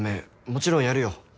もちろんやるよ。